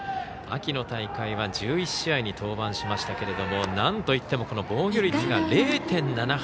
秋の大会は１１試合に登板しましたがなんといっても防御率が０．７８。